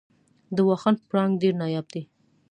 د واخان پړانګ ډیر نایاب دی